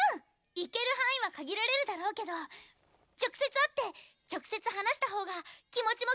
行ける範囲は限られるだろうけど直接会って直接話した方が気持ちもきっと通じるよ！